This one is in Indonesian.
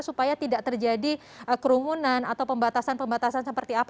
supaya tidak terjadi kerumunan atau pembatasan pembatasan seperti apa